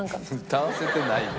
歌わせてないよ。